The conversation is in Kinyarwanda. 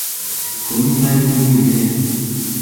Kunywa itabi ry'umwimerere